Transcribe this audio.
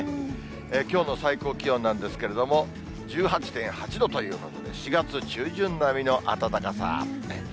きょうの最高気温なんですけれども、１８．８度ということで、４月中旬並みの暖かさ。